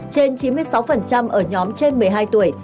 trên chín mươi sáu ở nhóm trên một mươi hai tuổi